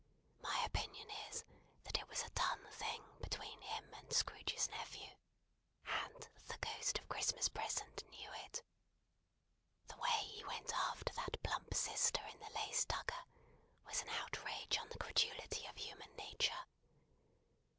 My opinion is, that it was a done thing between him and Scrooge's nephew; and that the Ghost of Christmas Present knew it. The way he went after that plump sister in the lace tucker, was an outrage on the credulity of human nature.